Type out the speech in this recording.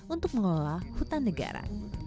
untuk mengelola hutan negara